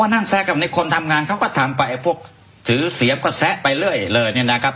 นั่งแซะกับในคนทำงานเขาก็ทำไปไอ้พวกถือเสียบก็แซะไปเรื่อยเลยเนี่ยนะครับ